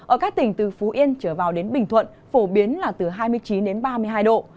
ở các tỉnh từ phú yên trở vào đến bình thuận phổ biến là từ hai mươi chín đến ba mươi hai độ